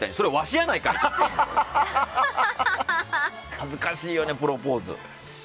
恥ずかしいよね、プロポーズ。